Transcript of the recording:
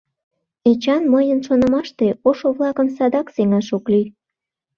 Эчан, мыйын шонымаште, ошо-влакым садак сеҥаш ок лий.